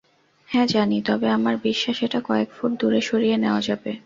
হ্যাঁ জানি, তবে আমার বিশ্বাস এটা কয়েক ফুট দূরে সরিয়ে নেয়া যাবে।